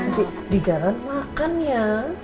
nanti di jalan makan ya